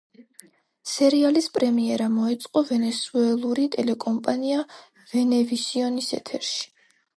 სერიალის პრემიერა მოეწყო ვენესუელური ტელეკომპანია ვენევისიონის ეთერში.